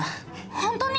本当に？